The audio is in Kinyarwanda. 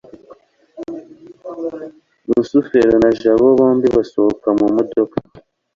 rusufero na jabo bombi basohoka mu modoka